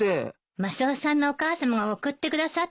マスオさんのお母さまが送ってくださったのよ。